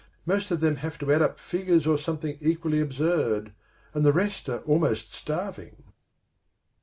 Most of them have to add up figures or something equally absurd ; and the rest are almost starving."